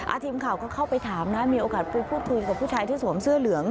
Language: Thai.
ทีมข่าวก็เข้าไปถามนะมีโอกาสไปพูดคุยกับผู้ชายที่สวมเสื้อเหลือง